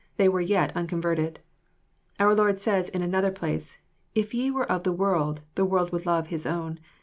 They were yet unconverted. Our Lord says, in another place, — "If ye were of the world, the world would love his own."